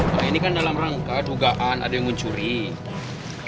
nggak ada kasih yang beli satu ratus delapan puluh rupiah